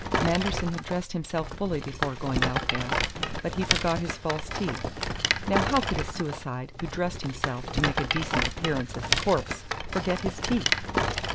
Manderson had dressed himself fully before going out there, but he forgot his false teeth. Now how could a suicide who dressed himself to make a decent appearance as a corpse forget his teeth?"